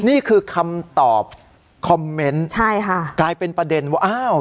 นี่คือคำตอบคอมเมนต์ใช่ค่ะกลายเป็นประเด็นว่าอ้าว